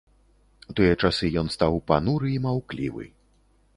У тыя часы ён стаў пануры і маўклівы.